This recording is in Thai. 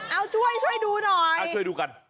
เอ้าช่วยช่วยดูหน่อยรอยคล้ายอะไรช่วยดูกัน